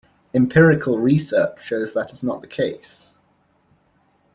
Empirical research shows that is not the case.